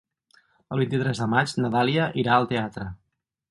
El vint-i-tres de maig na Dàlia irà al teatre.